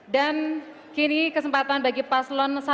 dan kini kesempatan bagi paslon satu